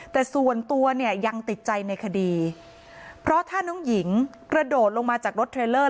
แต่ส่วนตัวเนี่ยยังติดใจในคดีเพราะถ้าน้องหญิงกระโดดลงมาจากรถเทรลเลอร์